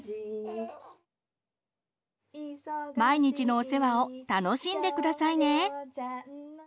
毎日のお世話を楽しんでくださいね！